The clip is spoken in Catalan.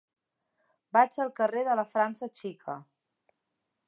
Vaig al carrer de la França Xica.